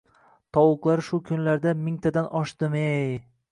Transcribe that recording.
Tovuqlari shu kunlarda mingtadan oshdimi-ey…